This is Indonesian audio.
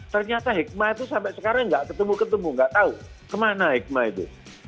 ternyata hikmah itu sampai sekarang nggak ketemu ketemu nggak tahu kemana hikmah itu